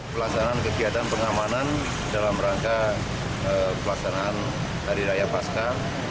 pelaksanaan kegiatan pengamanan dalam rangka pelaksanaan hari raya pasca